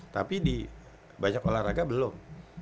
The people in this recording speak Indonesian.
tapi di banyak olahraga belum